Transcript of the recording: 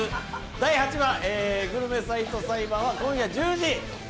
第８話、グルメサイト裁判は今夜１０時！